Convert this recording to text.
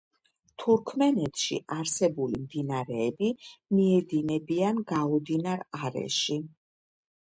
თურქმენეთში არსებული მდინარეები მიედინებიან გაუდინარ არეში.